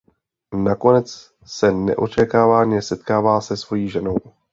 Nakonec se neočekávaně setkává se svojí ženou.